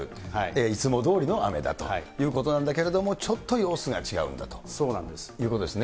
いつもどおりの雨だということなんだけれども、ちょっと様子が違うんだということですね。